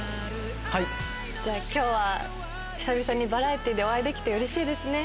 今日は久々にバラエティーでお会いできてうれしいですね。